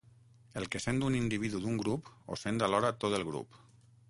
El que sent un individu d'un grup ho sent alhora tot el grup.